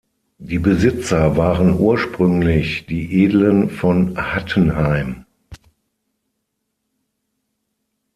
Die Besitzer waren ursprünglich die „Edlen von Hattenheim“.